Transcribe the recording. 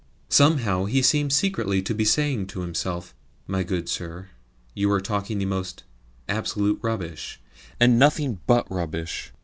Somehow he seemed secretly to be saying to himself, "My good sir, you are talking the most absolute rubbish, and nothing but rubbish."